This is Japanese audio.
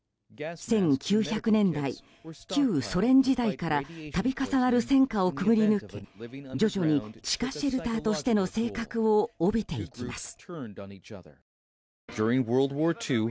１９００年代、旧ソ連時代から度重なる戦火をくぐり抜け徐々に地下シェルターとしての性格を帯びていきます。